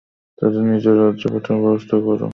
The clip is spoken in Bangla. তাদের নিজ নিজ রাজ্যে পাঠানোর ব্যাবস্থা করো।